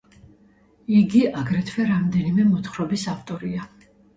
იგი აგრეთვე რამდენიმე მოთხრობის ავტორია.